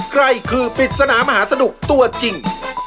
ใครคือปริศนามหาสนุกตัวจริง